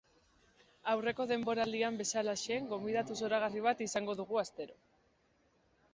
Aurreko denboraldian bezalaxe, gonbidatu zoragarri bat izango dugu astero.